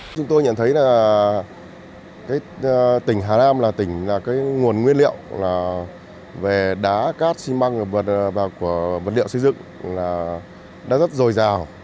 chúng tôi nhận thấy là tỉnh hà nam là tỉnh nguồn nguyên liệu về đá cát xi măng và vật liệu xây dựng đã rất rồi rào